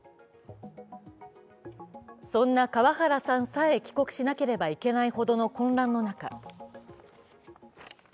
そんな川原さんさえ帰国しなければいけないほどの混乱の中